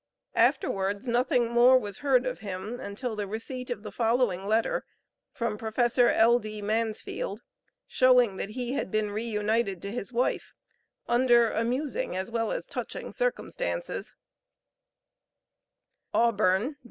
Afterwards nothing more was heard of him, until the receipt of the following letter from Prof. L.D. Mansfield, showing that he had been reunited to his wife, under amusing, as well as touching circumstances: AUBURN, Dec.